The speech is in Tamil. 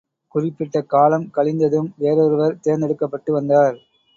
குறிப்பிட்ட காலம் கழிந்ததும், வேறொருவர் தேர்ந்தெடுக்கப்பட்டு வந்தார்.